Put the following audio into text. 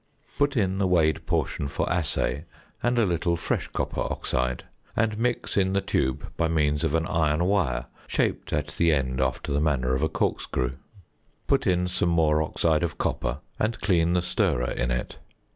Put in the weighed portion for assay and a little fresh copper oxide, and mix in the tube by means of an iron wire shaped at the end after the manner of a corkscrew. Put in some more oxide of copper, and clean the stirrer in it.